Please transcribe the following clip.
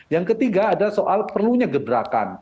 yang ketiga adalah soal perlunya gebrakan